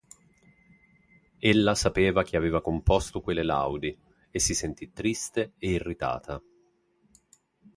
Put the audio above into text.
Ella sapeva chi aveva composto quelle laudi, e si sentì triste e irritata.